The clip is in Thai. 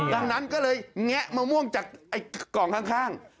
ดังนั้นก็เลยแงะมะม่วงจากกล่องข้าง